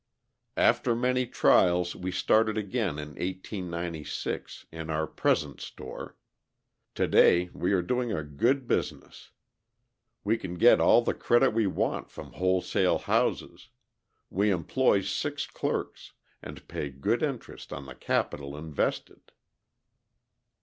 After many trials we started again in 1896 in our present store; to day we are doing a good business; we can get all the credit we want from wholesale houses, we employ six clerks, and pay good interest on the capital invested."